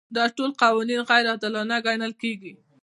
دا ټول قوانین غیر عادلانه ګڼل کیږي.